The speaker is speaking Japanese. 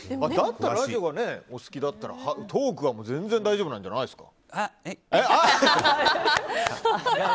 ラジオがお好きだったらトークは全然大丈夫じゃないんですか？